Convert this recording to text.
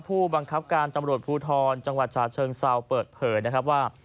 ผู้บังคับการตำรวจภูทรจังหวัดชาเชิงเซาเปิดเผยนะครับว่า